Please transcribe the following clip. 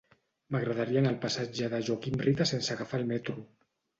M'agradaria anar al passatge de Joaquim Rita sense agafar el metro.